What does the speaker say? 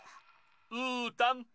うーたん！